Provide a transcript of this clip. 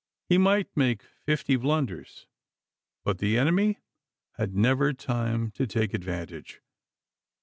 He might make fifty blunders, but the enemy had never time to take advantage.